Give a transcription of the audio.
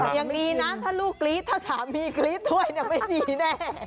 ลูกบอกอย่างนี้นะถ้าลูกกรี๊ดถ้าสามีกรี๊ดด้วยไม่ดีแน่